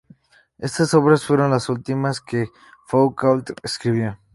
Estas obras fueron las últimas que Foucault escribió.